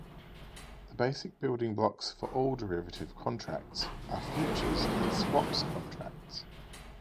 The basic building blocks for all derivative contracts are futures and swaps contracts.